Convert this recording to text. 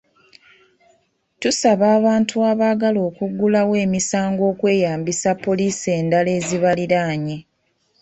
Tusaba abantu abaagala okuggulawo emisango okweyambisa poliisi endala ezibaliraanye.